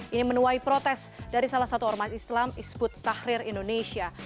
ini menuai protes dari salah satu ormas islam isput tahrir indonesia